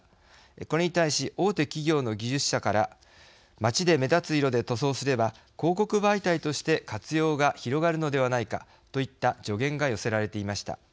これに対し大手企業の技術者から街で目立つ色で塗装すれば広告媒体として活用が広がるのではないかといった助言が寄せられていました。